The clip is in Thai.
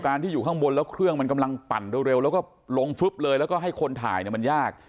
ที่อยู่ข้างบนแล้วเครื่องมันกำลังปั่นเร็วแล้วก็ลงฟึ๊บเลยแล้วก็ให้คนถ่ายเนี่ยมันยาก